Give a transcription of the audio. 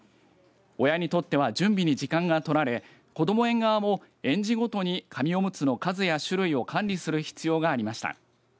親にとっては準備に時間が取られこども園側も、園児ごとに紙おむつの数や種類を管理する必要がありました。